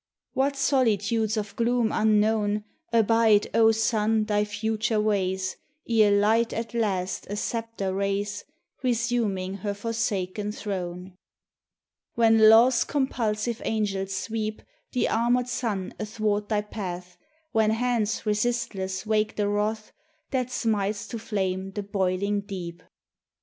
... What solitudes of gloom unknown Abide, O Sun I thy future ways, Ere Light at last a sceptre raise, Resuming her forsaken throne 70 THE TESTIMONY OF THE SUNS. When Law's compulsive angels sweep The armored sun athwart thy path; When hands resistless wake the wrath That smites to flame the boiling Deep